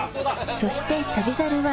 そして『旅猿』は